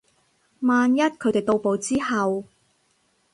萬一佢哋到埗之後